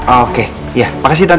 oke ya makasih tante